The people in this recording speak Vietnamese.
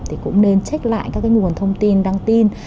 thì cũng nên check lại các nguồn thông tin đăng tin